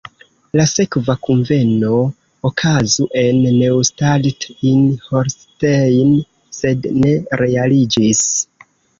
La sekva kunveno okazu en Neustadt in Holstein, sed ne realiĝis.